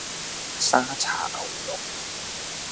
沙茶牛肉